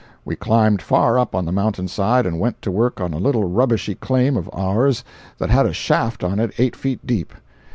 We climbed far up on the mountain side and went to work on a little rubbishy claim of ours that had a shaft on it eight feet deep.